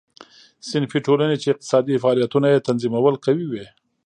صنفي ټولنې چې اقتصادي فعالیتونه یې تنظیمول قوي وې.